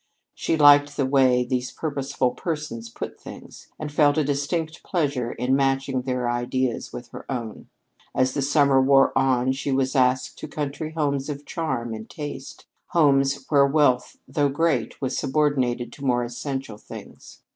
She liked the way these purposeful persons put things, and felt a distinct pleasure in matching their ideas with her own. As the summer wore on, she was asked to country homes of charm and taste homes where wealth, though great, was subordinated to more essential things.